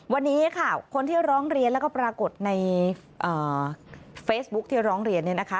วันนี้ค่ะคนที่ร้องเรียนแล้วก็ปรากฏในเฟซบุ๊คที่ร้องเรียนเนี่ยนะคะ